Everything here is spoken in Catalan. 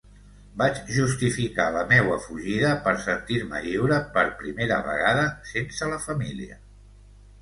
Vaig justificar la meua fugida per sentir-me lliure per primera vegada, sense la família.